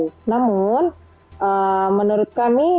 jadi namun menurut kami